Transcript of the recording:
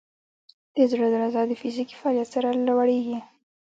د زړه درزا د فزیکي فعالیت سره لوړېږي.